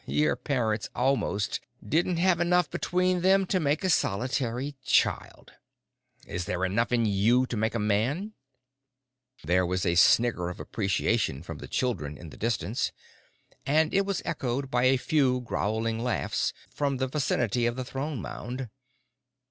Your parents almost didn't have enough between them to make a solitary child. Is there enough in you to make a man?" There was a snigger of appreciation from the children in the distance, and it was echoed by a few growling laughs from the vicinity of the Throne Mound.